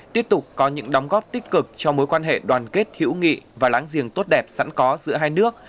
tiếp tục có những đóng góp tích cực cho mối quan hệ đoàn kết hữu nghị và láng giềng tốt đẹp sẵn có giữa hai nước